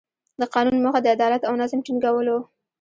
د قانون موخه د عدالت او نظم ټینګول وو.